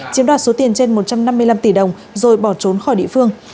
chiếm đoạt số tiền trên một trăm năm mươi năm tỷ đồng rồi bỏ trốn khỏi địa phương